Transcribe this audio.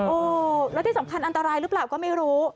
โอ้แล้วที่สำคัญอันตรายหรือเปล่าก็ไม่รู้